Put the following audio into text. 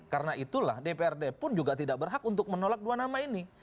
karena itulah dprd pun juga tidak berhak untuk menolak dua nama ini